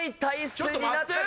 ちょっと待って。